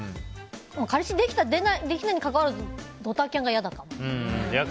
彼氏できたできないにかかわらずドタキャンがいやかも。